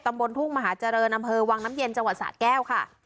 บนทุ่งมหาเจริญอำเภอวังน้ำเย็นจังหวัดสะแก้วค่ะ